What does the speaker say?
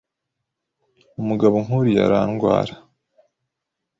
Umugabo nkuriya arandwara.